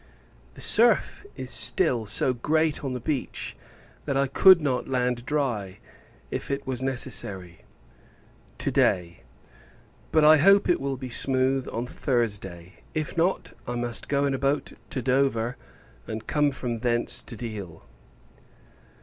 The surf is still so great on the beach, that I could not land dry, if it was necessary, to day; but, I hope, it will be smooth on Thursday: if not, I must go in a boat to Dover, and come from thence to Deal.